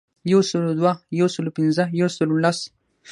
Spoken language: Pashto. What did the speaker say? یو سلو دوه، یو سلو پنځه ،یو سلو لس .